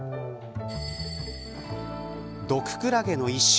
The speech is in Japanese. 毒クラゲの一種。